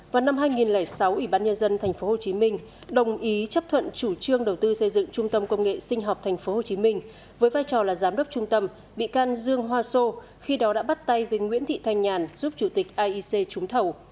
vào năm hai nghìn sáu ủy ban nhân dân tp hcm đồng ý chấp thuận chủ trương đầu tư xây dựng trung tâm công nghệ sinh học tp hcm với vai trò là giám đốc trung tâm bị can dương hoa sô khi đó đã bắt tay với nguyễn thị thanh nhàn giúp chủ tịch iec trúng thầu